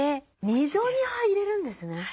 溝に入れるんですね。